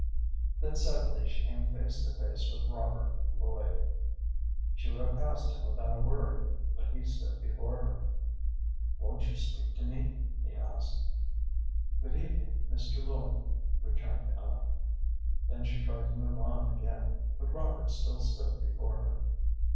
Then suddenly she came face to face with Robert Lloyd. She would have passed him without a word, but he stood before her. "Won't you speak to me?" he asked. "Good evening, Mr. Lloyd," returned Ellen. Then she tried to move on again, but Robert still stood before her.